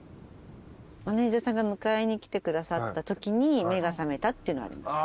マネジャーさんが迎えに来てくださったときに目が覚めたっていうのあります。